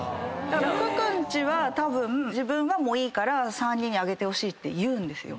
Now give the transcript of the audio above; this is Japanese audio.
だから福君ちはたぶん「自分はもういいから３人にあげてほしい」って言うんですよ。